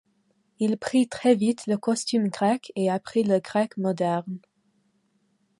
Il prit très vite le costume grec et apprit le grec moderne.